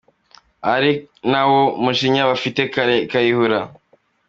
Ari nawo mujinya bafitiye Kale Kayihura.